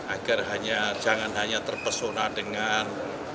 agar jangan hanya terpesona dengan